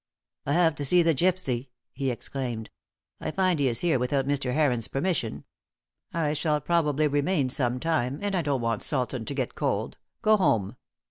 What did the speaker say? "I have to see this gypsy," he explained. "I find he is here without Mr. Heron's permission. I shall probably remain some time, and I don't want Sultan to get cold. Go home."